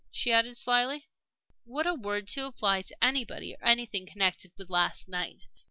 she added, slyly. "What a word to apply to anybody or anything connected with last night!"